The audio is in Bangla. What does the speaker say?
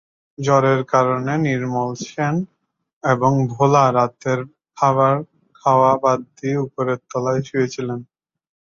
জ্বরের কারণে নির্মল সেন এবং ভোলা রাতের খাবার খাওয়া বাদ দিয়ে উপরের তলায় শুয়ে ছিলেন।